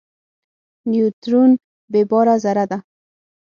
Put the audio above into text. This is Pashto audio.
نیوترون بېباره ذره ده.